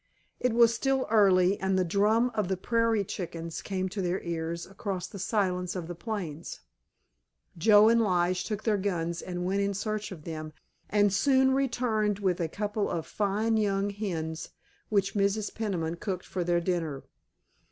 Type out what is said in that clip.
It was still early, and the drum of the prairie chickens came to their ears across the silence of the plains. Joe and Lige took their guns and went in search of them, and soon returned with a couple of fine young hens, which Mrs. Peniman cooked for their dinner.